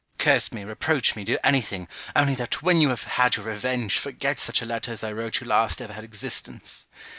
Curse me, reproach me, do anything, only that when you have had your revenge, forget such a letter as I wrote you last ever had existence.